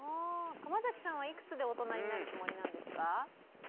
熊崎さんはいくつで大人になるつもりなんですか。